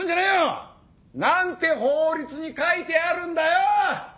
何て法律に書いてあるんだよ！